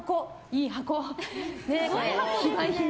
いい箱。